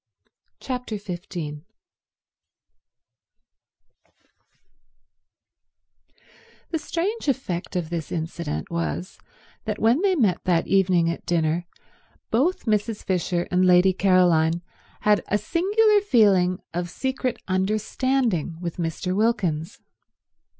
Chapter 15 The strange effect of this incident was that when they met that evening at dinner both Mrs. Fisher and Lady Caroline had a singular feeling of secret understanding with Mr. Wilkins.